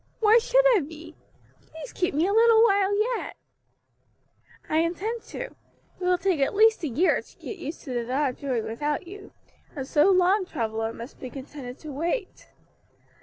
why should I be? Please keep me a little while yet." "I intend to: it will take at least a year to get used to the thought of doing without you, and so long Travilla must be content to wait.